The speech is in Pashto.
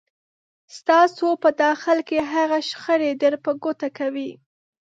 ستاسو په داخل کې هغه شخړې در په ګوته کوي.